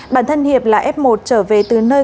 bản thân hiệp là f một trở về từ nơi